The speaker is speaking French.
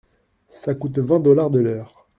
Ça coûte vingt dollars de l’heure.